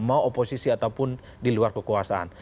mau oposisi ataupun di luar kekuasaan